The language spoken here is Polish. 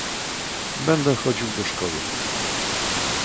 "Będę chodził do szkoły."